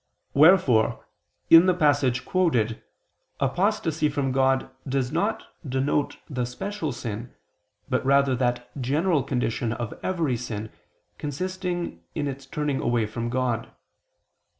Wherefore, in the passage quoted, apostasy from God does not denote the special sin, but rather that general condition of every sin, consisting in its turning away from God.